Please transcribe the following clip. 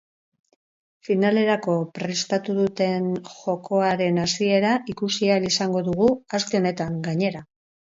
Finalerako prestatu duten jokoaren hasiera ikusi ahal izango dugu aste honetan, gainera.